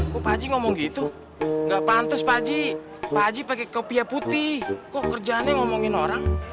kok pak haji ngomong gitu gak pantas pak haji pak aji pakai kopiah putih kok kerjaannya ngomongin orang